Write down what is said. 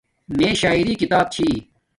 میں شاعری کتاب چھی